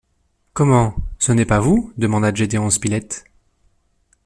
Comment, ce n’est pas vous? demanda Gédéon Spilett.